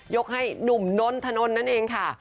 ให้หนุ่มนนทนนท์นั่นเองค่ะ